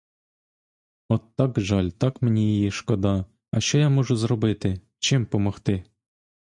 От так жаль, так мені її шкода, — а що я можу зробити, чим помогти?!